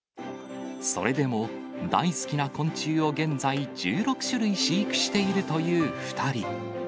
それでも大好きな昆虫を、現在１６種類飼育しているという２人。